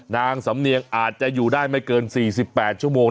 นางสำเนียงอาจจะอยู่ได้ไม่เกิน๔๘ชั่วโมง